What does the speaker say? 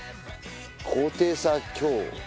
高低差強